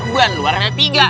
ban luarnya tiga